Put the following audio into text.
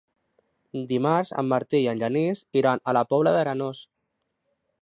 Dimarts en Martí i en Genís iran a la Pobla d'Arenós.